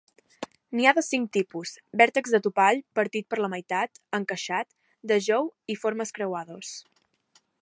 N'hi ha de cinc tipus, vèrtex de topall, partit per la meitat, encaixat, de jou y formes creuades.